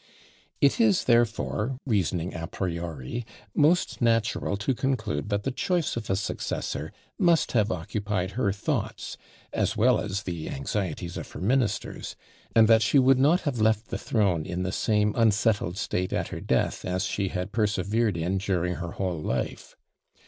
It is therefore, reasoning à priori, most natural to conclude that the choice of a successor must have occupied her thoughts, as well as the anxieties of her ministers; and that she would not have left the throne in the same unsettled state at her death as she had persevered in during her whole life.